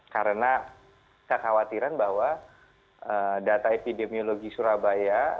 karena saya khawatiran bahwa data epidemiologi surabaya